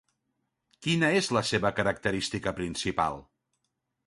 Quina és la seva característica principal?